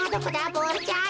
ボールちゃん。